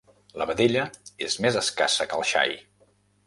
La vedella és més escassa que el xai.